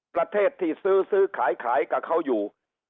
ประเทศที่ซื้อซื้อขายขายกับเขาอยู่